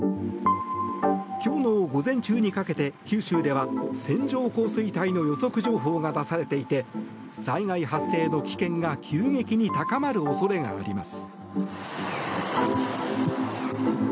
今日の午前中にかけて九州では線状降水帯の予測情報が出されていて災害発生の危険が急激に高まる恐れがあります。